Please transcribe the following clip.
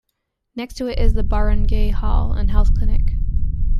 Next to it is the barangay hall and health clinic.